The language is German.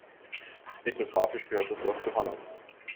Ethnographisch gehört das Dorf zur Hanna.